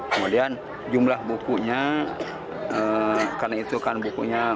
kemudian jumlah bukunya karena itu kan bukunya